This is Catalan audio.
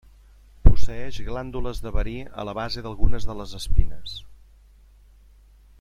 Posseeix glàndules de verí a la base d'algunes de les espines.